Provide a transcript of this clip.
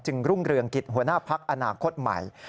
รุ่งเรืองกิจหัวหน้าพักอนาคตใหม่